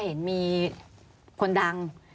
เห็นมีคนดัง